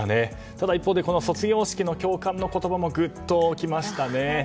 ただ一方で卒業式の教官の言葉もグッときましたね。